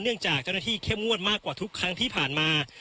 จากเจ้าหน้าที่เข้มงวดมากกว่าทุกครั้งที่ผ่านมา